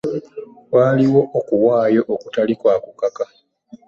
Waliwo okuwaayo okutali kwa kukaka.